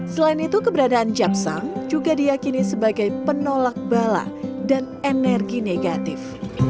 selain itu keberadaan japsang juga diakini sebagai penolak bala dan energi negatif